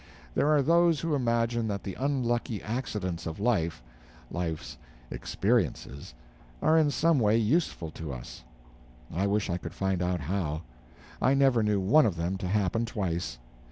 There are those who imagine that the unlucky accidents of life—life's "experiences"—are in some way useful to us. I wish I could find out how. I never knew one of them to happen twice.